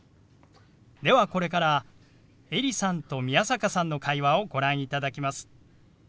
ではこれからエリさんと宮坂さんの会話をご覧いただきます。